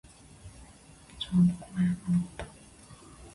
情のこまやかなこと。